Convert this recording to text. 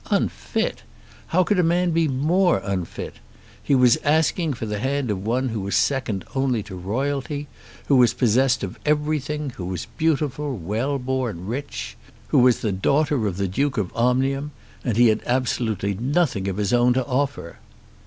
Unfit! How could a man be more unfit? He was asking for the hand of one who was second only to royalty who was possessed of everything, who was beautiful, well born, rich, who was the daughter of the Duke of Omnium, and he had absolutely nothing of his own to offer.